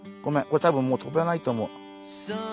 これ多分もう飛べないと思う。